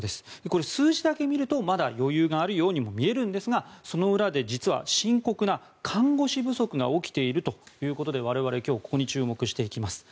これ、数字だけ見るとまだ余裕があるようにも見えるんですがその裏で実は深刻な看護師不足が起きているということで我々、今日ここに注目していきます。